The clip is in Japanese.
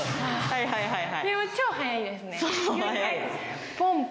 はいはいはい。